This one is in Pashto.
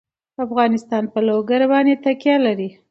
افغانستان په لوگر باندې تکیه لري.